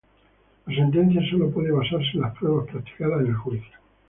La sentencia sólo puede basarse en las pruebas practicadas en el juicio.